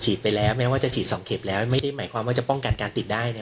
ไปแล้วแม้ว่าจะฉีด๒เข็มแล้วไม่ได้หมายความว่าจะป้องกันการติดได้